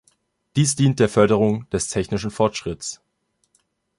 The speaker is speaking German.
Dies dient der Förderung des technischen Fortschritts.